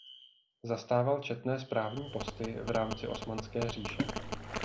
Zastával četné správní posty v rámci Osmanské říše.